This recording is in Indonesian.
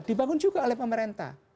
dibangun juga oleh pemerintah